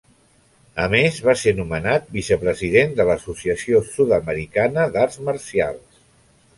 A més, va ser nomenat vicepresident de l'Associació Sud-americana d'Arts Marcials.